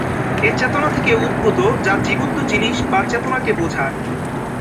এটি চেতনা থেকে উদ্ভূত, যা জীবন্ত জিনিস বা চেতনাকে বোঝায়।